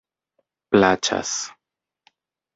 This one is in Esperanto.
plaĉas